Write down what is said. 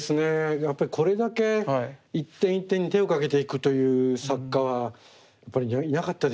やっぱりこれだけ一点一点に手をかけていくという作家はやっぱりいなかったでしょうね。